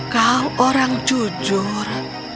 kau orang yang jujur